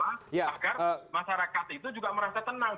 agar masyarakat itu juga merasa tenang